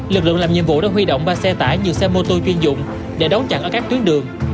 lực lượng làm nhiệm vụ đã huy động ba xe tải nhiều xe mô tô chuyên dụng để đấu chặn ở các tuyến đường